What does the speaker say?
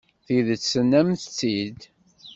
Tidet, tennamt-tt-id.